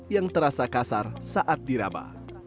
yang terasa kasar saat diraba